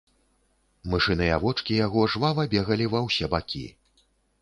Мышыныя вочкі яго жвава бегалі ва ўсе бакі.